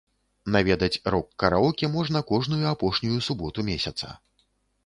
Наведаць рок-караоке можна кожную апошнюю суботу месяца.